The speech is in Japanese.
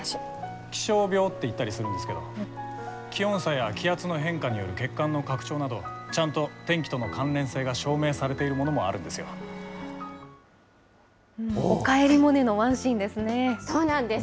気象病って言ったりするんですけど、気温差や気圧の変化による血管の拡張など、ちゃんと天気との関連性が証明されてるものもおかえりモネのワンシーンでそうなんです。